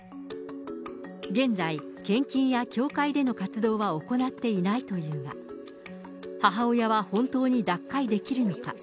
現在、献金や教会での活動は行っていないというが、母親は本当に脱会できるのか。